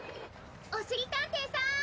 おしりたんていさん！